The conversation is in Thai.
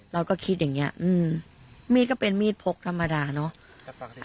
เราก็คิดอย่างนี้มีดก็เป็นมีดพกธรรมดาเนอะ